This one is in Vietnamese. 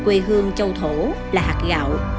quê hương châu thổ là hạt gạo